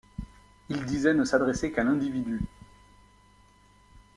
Il disait ne s’adresser qu’à l’individu.